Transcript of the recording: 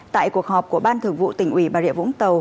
tại cuộc họp của ban thường vụ tỉnh ủy bà rịa vũng tàu